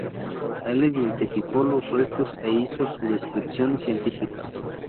Él identificó los restos e hizo su descripción científica.